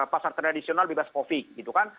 pasar tradisional bebas covid gitu kan